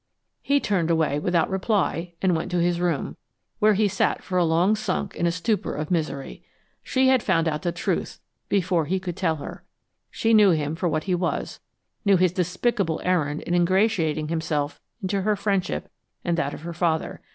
He turned away without reply, and went to his room, where he sat for long sunk in a stupor of misery. She had found out the truth, before he could tell her. She knew him for what he was, knew his despicable errand in ingratiating himself into her friendship and that of her father.